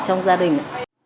đồng gia đình